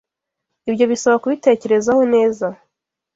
Ibyo bisaba kubitekerezaho neza.